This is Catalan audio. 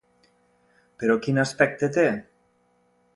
Però quin aspecte té?